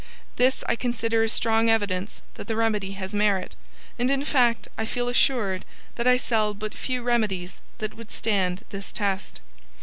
This I consider is strong evidence that the remedy has merit, and in fact I feel assured that I sell but few remedies that would stand this test.